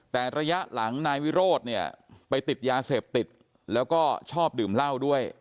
แต่ระยะหลังนายวิโรธเนี่ยไปติดยาเสพติดแล้วก็ชอบดื่มเหล้าด้วย